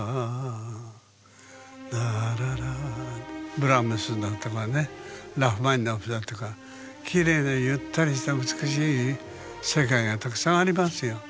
ブラームスだとかねラフマニノフだとかきれいでゆったりした美しい世界がたくさんありますよ。